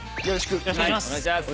よろしくお願いします。